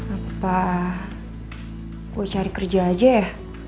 apa gue cari kerja aja ya